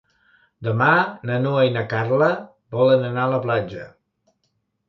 Demà na Noa i na Carla volen anar a la platja.